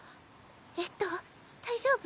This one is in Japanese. えっと大丈夫？